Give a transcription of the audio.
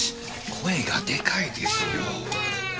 声がでかいですよ。